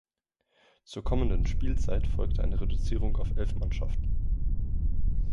Zur kommenden Spielzeit folgte eine Reduzierung auf elf Mannschaften.